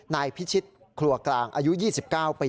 นายพิชิตครัวกลางอายุ๒๙ปี